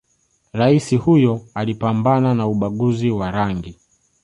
raisi huyo aliipambana na ubaguzi wa rangi